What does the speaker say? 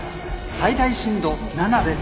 最大震度７です。